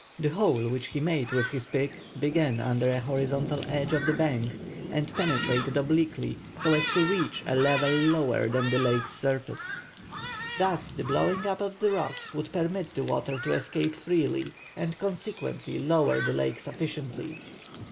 The hole which he made with his pick began under a horizontal edge of the bank, and penetrated obliquely so as to reach a level lower than the lake's surface. Thus the blowing up of the rocks would permit the water to escape freely and consequently lower the lake sufficiently.